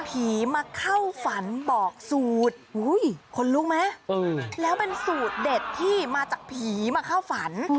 ผีมาเข้าฝันบอกสูตรคนลุกไหมแล้วเป็นสูตรเด็ดที่มาจากผีมาเข้าฝัน